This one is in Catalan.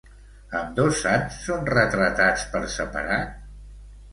Ambdós sants són retratats per separat?